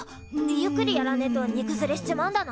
ゆっくりやらねえとにくずれしちまうんだな！